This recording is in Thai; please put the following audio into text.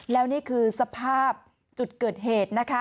แล้วนี่คือสภาพจุดเกิดเหตุนะคะ